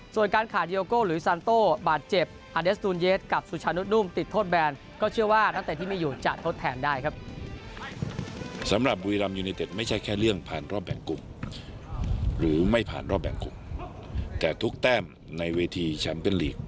ส่วนการขาดยูโอโกห์หรือซานโต้บาดเจ็บ